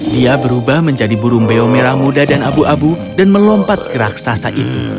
dia berubah menjadi burung beo merah muda dan abu abu dan melompat ke raksasa ini